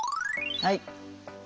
はい。